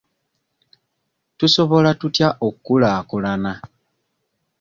Tusobola tutya okkulaakulana?